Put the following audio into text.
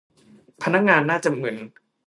พนักงานน่าจะมึน